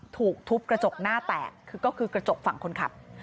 ถูกทุบกระจกหน้าแตกคือก็คือกระจกฝั่งคนขับ